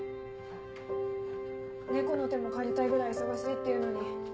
猫の手も借りたいぐらい忙しいっていうのに。